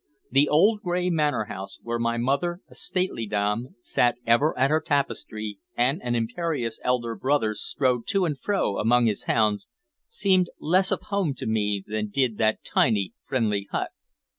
The old gray manor house, where my mother, a stately dame, sat ever at her tapestry, and an imperious elder brother strode to and fro among his hounds, seemed less of home to me than did that tiny, friendly hut.